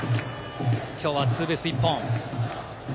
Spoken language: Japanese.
きょうはツーベース１本。